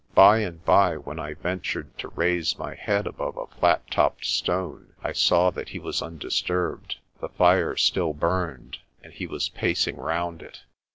By and by when I ventured to raise my head above a flat topped stone I saw that he was undisturbed. The fire still burned, and he was pacing round it.